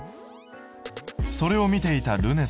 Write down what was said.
それを見ていたるね